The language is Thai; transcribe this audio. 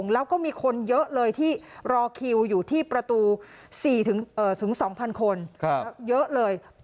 แล้วก็มีคนเยอะเลยที่รอคิวอยู่ที่ประตู๔๒๐๐คนเยอะเลย